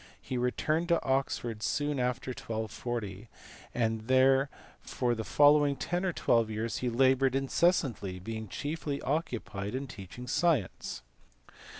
He returned to Oxford soon after 1240, and there for the following ten or twelve years he laboured in cessantly, being chiefly occupied in teaching science.